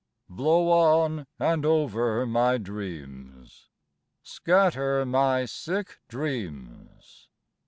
Blow on and over my dreams... Scatter my sick dreams...